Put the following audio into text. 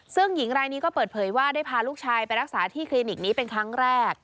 ซึ่งหญิงรายนี้ก็เปิดเผยว่าได้พาลูกชายไปรักษาที่คลินิกนี้เป็นครั้งแรก